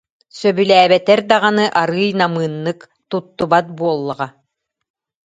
Сөбүлээбэтэр даҕаны арыый намыыннык туттубат буоллаҕа